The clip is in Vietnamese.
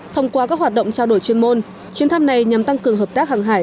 thông qua các hoạt động trao đổi chuyên môn chuyến thăm này nhằm tăng cường hợp tác hàng hải